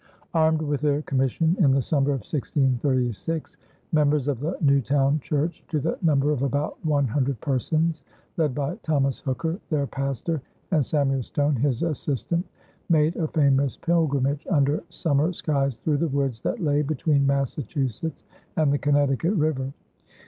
Armed with their commission, in the summer of 1636, members of the Newtown church to the number of about one hundred persons, led by Thomas Hooker, their pastor, and Samuel Stone, his assistant, made a famous pilgrimage under summer skies through the woods that lay between Massachusetts and the Connecticut River.